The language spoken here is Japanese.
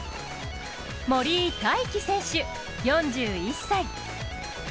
森井大輝選手、４１歳。